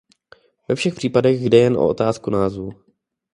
Ve všech případech jde jen o otázku názvu.